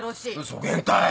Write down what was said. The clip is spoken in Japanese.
そげんたい。